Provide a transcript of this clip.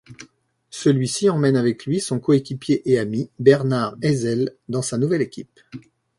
Celui-ci emmène avec lui son coéquipier et ami Bernhard Eisel dans sa nouvelle équipe.